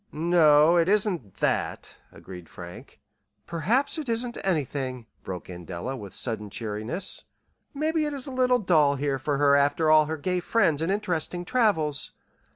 "No, it isn't that," agreed Frank. "Perhaps it isn't anything," broke in Della, with sudden cheeriness. "Maybe it is a little dull here for her after all her gay friends and interesting travels.